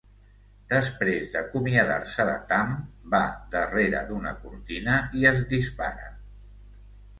Després d'acomiadar-se de Tam, va darrere d'una cortina i es dispara.